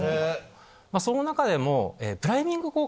その中でもプライミング効果。